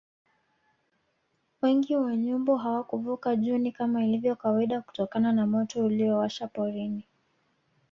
Wengi wa nyumbu hawakuvuka Juni kama ilivyo kawaida kutokana na moto uliowashwa porini